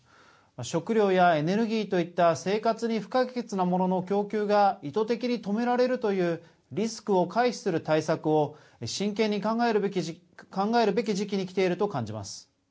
食糧やエネルギーといった生活に不可欠なものの供給が意図的に止められるというリスクを回避する対策を真剣に考えるべき時期にきていると感じます。